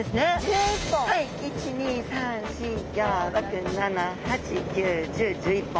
はい１２３４５６７８９１０１１本。